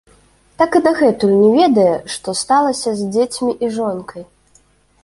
Так і дагэтуль не ведае, што сталася з дзецьмі і жонкай.